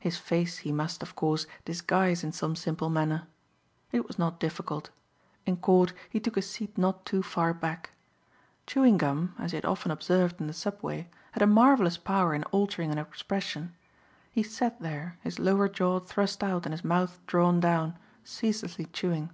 His face he must, of course, disguise in some simple manner. It was not difficult. In court he took a seat not too far back. Chewing gum, as he had often observed in the subway, had a marvelous power in altering an expression. He sat there, his lower jaw thrust out and his mouth drawn down, ceaselessly chewing.